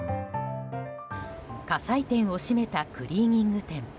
葛西店を閉めたクリーニング店。